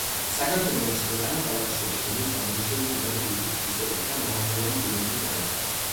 საქართველო არის ქვეყანა კავკასიაში, რომელიც გამოირჩევა მდიდარი კულტურით, ისტორიით და მრავალფეროვანი ბუნებრივი გარემოთი.